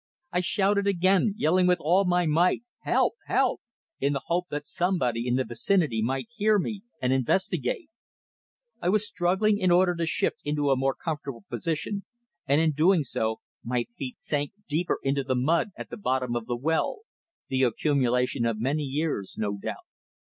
I shouted again, yelling with all my might: "Help! Help!" in the hope that somebody in the vicinity might hear me and investigate. I was struggling in order to shift into a more comfortable position, and in doing so my feet sank deeper into the mud at the bottom of the well the accumulation of many years, no doubt.